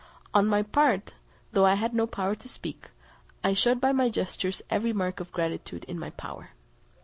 On my part, though I had not power to speak, I showed by my gestures every mark of gratitude in my power.